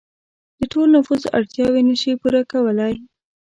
د ټول نفوس اړتیاوې نشي پوره کولای.